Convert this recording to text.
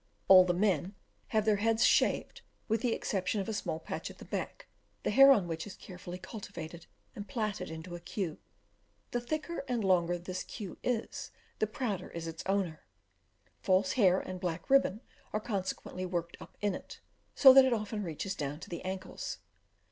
All the men have their heads shaved, with the exception of a small patch at the back, the hair on which is carefully cultivated and plaited into a cue. The thicker and longer this cue is, the prouder is its owner; false hair and black ribbon are consequently worked up in it, so that it often reaches down to the ankles.